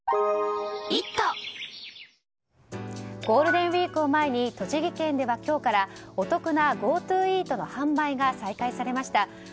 ゴールデンウィークを前に栃木県では今日からお得なＧｏＴｏイートの販売が再開されました。